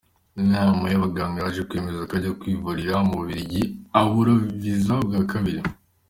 Inama y’abaganga yaje kwemeza ko ajya kwivuriza mu Bubiligi abura visa bwa kabiri.